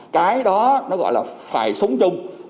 cái đó nó gọi là phải sống chung an toàn